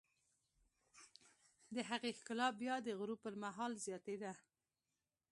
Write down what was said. د هغې ښکلا بیا د غروب پر مهال زیاتېده.